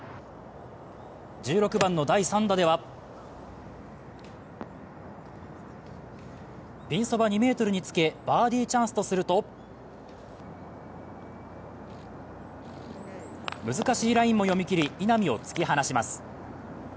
１６番の第３打ではピンそば２ｍにつけ、バーディーチャンスとすると難しいラインも読み切り稲見を突き放します。